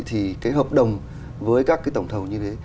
thì hợp đồng với các tổng thầu như thế